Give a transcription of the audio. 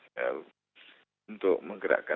ya untuk menggerakkan